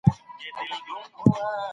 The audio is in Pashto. ارواپوهنه د فردي چلند علم دی.